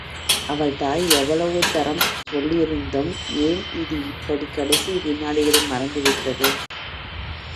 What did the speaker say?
அவள் தாய் எவ்வளவோ தரம் சொல்லியிருந்தும் ஏன் இது இப்படிக் கடைசி விநாடியில் மறந்துவிட்டது!